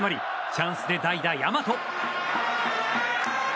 チャンスで代打、大和。